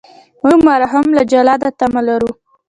موږ مرهم له جلاده تمه لرو.